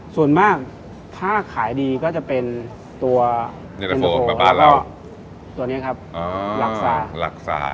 ส่วนมากถ้าขายดีก็จะเป็นตัวอินเตอร์โฟแล้วก็ตัวนี้ครับลักษา